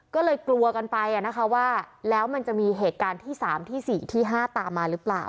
ก็เลยกลัวกันไปนะคะว่าแล้วมันจะมีเหตุการณ์ที่๓ที่๔ที่๕ตามมาหรือเปล่า